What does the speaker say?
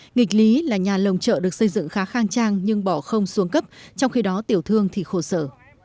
nghịch lý là nhà lồng chợ được xây dựng khá khang trang nhưng bỏ không xuống cấp trong khi đó tiểu thương thì khổ sở